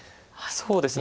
そうですね。